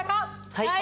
はい！